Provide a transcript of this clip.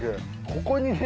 ここにね